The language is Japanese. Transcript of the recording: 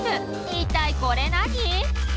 一体これ何？